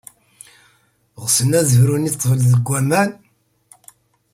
Ɣsen ad brun i ḍḍbel deg waman?